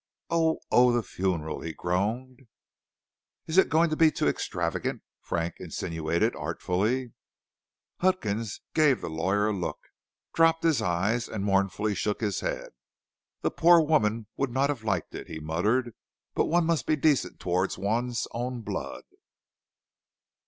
"Oh! oh! the funeral!" he groaned. "Is it going to be too extravagant?" Frank insinuated artfully. Huckins gave the lawyer a look, dropped his eyes and mournfully shook his head. "The poor woman would not have liked it," he muttered; "but one must be decent towards one's own blood."